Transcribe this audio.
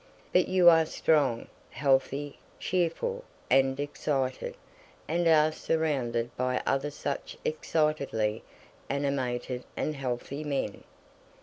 But you are strong, healthy, cheerful, and excited, and are surrounded by other such excitedly animated and healthy men."